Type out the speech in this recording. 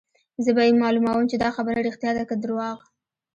زه به يې معلوموم چې دا خبره ريښتیا ده که درواغ.